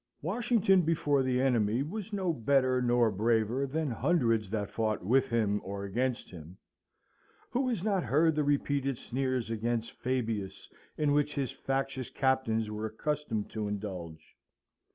Washington before the enemy was no better nor braver than hundreds that fought with him or against him (who has not heard the repeated sneers against "Fabius" in which his factious captains were accustomed to indulge?)